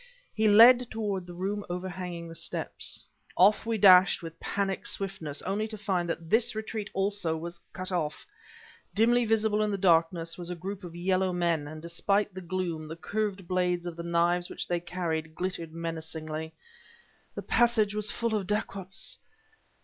and he led toward the room overhanging the steps. Off we dashed with panic swiftness, only to find that this retreat also was cut off. Dimly visible in the darkness was a group of yellow men, and despite the gloom, the curved blades of the knives which they carried glittered menacingly. The passage was full of dacoits!